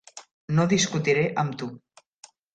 No discutiré amb tu.